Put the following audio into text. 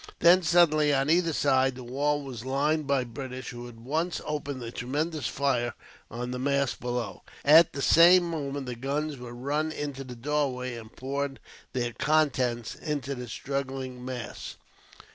Then suddenly, on either side, the wall was lined by the British, who at once opened a tremendous fire on the mass below. At the same moment, the guns were run into the doorway, and poured their contents into the struggling mass.